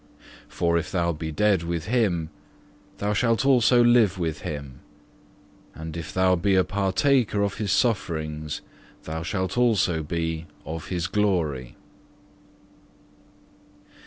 For if thou be dead with Him, thou shalt also live with Him, and if thou be a partaker of His sufferings thou shalt be also of His glory.